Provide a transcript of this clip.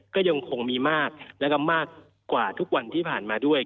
ก็ยังคงมีมากแล้วก็มากกว่าทุกวันที่ผ่านมาด้วย